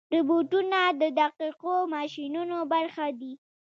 روبوټونه د دقیقو ماشینونو برخه دي.